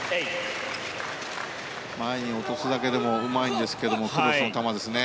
前に落とすだけでもうまいんですけどクロスの球ですね。